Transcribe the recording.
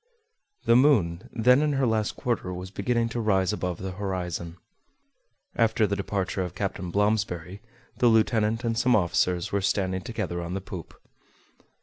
The moon, then in her last quarter, was beginning to rise above the horizon. After the departure of Captain Blomsberry, the lieutenant and some officers were standing together on the poop.